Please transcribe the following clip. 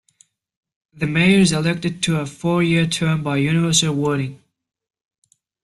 The mayor is elected to a four-year term by universal voting.